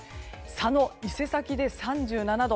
佐野、伊勢崎で３７度